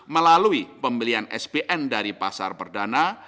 melalui pembelian spn dari pasar perdana